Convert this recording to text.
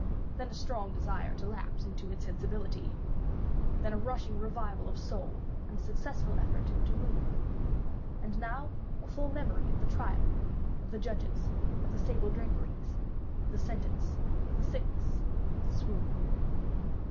Then a strong desire to lapse into insensibility. Then a rushing revival of soul and a successful effort to move. And now a full memory of the trial, of the judges, of the sable draperies, of the sentence, of the sickness, of the swoon.